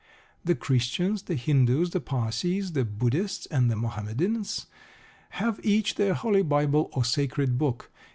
The Christians, the Hindoos, the Parsees, the Buddhists, and the Mohammedans have each their "Holy Bible" or "sacred book."